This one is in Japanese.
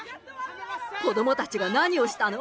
子どもたちが何をしたの？